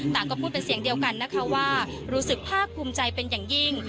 ก็พูดเป็นเสียงเดียวกันนะคะว่ารู้สึกภาคภูมิใจเป็นอย่างยิ่ง